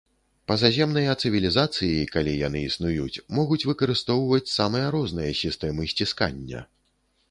Пазаземныя цывілізацыі, калі яны існуюць, могуць выкарыстоўваць самыя розныя сістэмы сціскання.